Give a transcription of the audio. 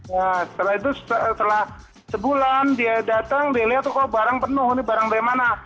ya setelah itu setelah sebulan dia datang dia lihat oh barang penuh ini barang dari mana